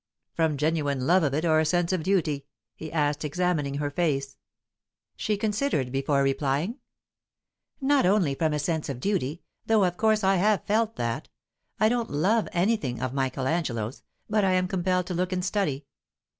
"From genuine love of it, or a sense of duty?" he asked, examining her face. She considered before replying. "Not only from a sense of duty, though of course I have felt that. I don't love anything of Michael Angelo's, but I am compelled to look and study.